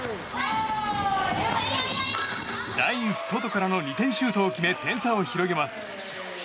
ライン外からの２点シュートを決め点差を広げます。